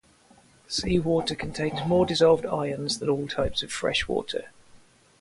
Seawater contains more dissolved ions than all types of freshwater.